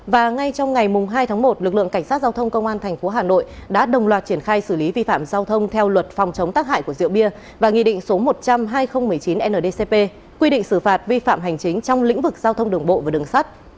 và ngay trong ngày hai tháng một lực lượng cảnh sát giao thông công an tp hà nội đã đồng loạt triển khai xử lý vi phạm giao thông theo luật phòng chống tác hại của rượu bia và nghị định số một trăm linh hai nghìn một mươi chín ndcp quy định xử phạt vi phạm hành chính trong lĩnh vực giao thông đường bộ và đường sắt